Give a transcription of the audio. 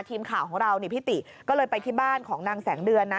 ทีมข่าวของเรานี่พิติก็เลยไปที่บ้านของนางแสงเดือนนะ